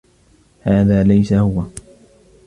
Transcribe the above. هذا ليس هو.